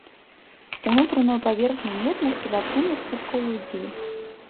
Унутраную паверхню медных і латунных кубкаў лудзілі.